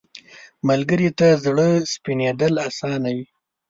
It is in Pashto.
ملګری ته زړه سپینېدل اسانه وي